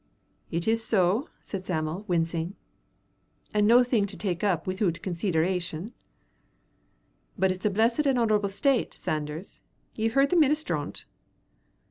"It is so," said Sam'l, wincing. "An' no the thing to take up withoot conseederation." "But it's a blessed and honorable state, Sanders; ye've heard the minister on't."